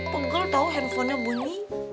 kok gue gak tau handphonenya bunyi